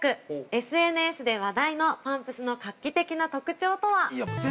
ＳＮＳで話題のパンプスの画期的な特徴とは？